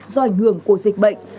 do ảnh hưởng của dịch bệnh